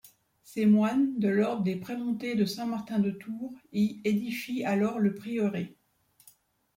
Ces moines, de l'ordre des Prémontés de Saint-Martin-de-Tours, y édifient alors le prieuré.